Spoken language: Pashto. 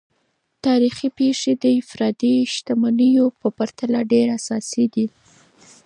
تاریخي پیښې د انفرادي شتمنیو په پرتله ډیر اساسي دي.